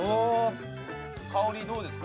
香りどうですか？